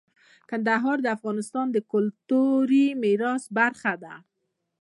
کندهار د افغانستان د کلتوري میراث برخه ده.